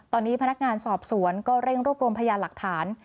ตอนนี้พนักงานสอบสวนก็เร่งรวบรวมพยานหลักฐาน